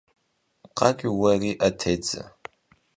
КъакӀуи, уэри Ӏэ тедзэ.